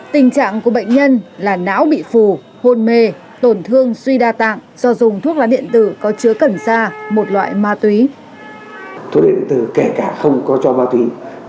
tình trạng của bệnh nhân là não bị phù hôn mê tổn thương suy đa tạng do dùng thuốc lá điện tử có chứa cần sa một loại ma túy